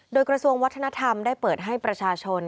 โดยกระทรวงวัฒนธรรมได้เปิดให้ประชาชน